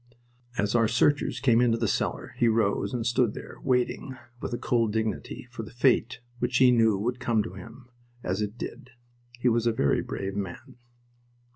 As our searchers came into the cellar, he rose and stood there, waiting, with a cold dignity, for the fate which he knew would come to him, as it did. He was a very brave man.